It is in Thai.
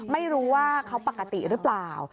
ไม่รู้ว่าเขาปกติหรือเปล่า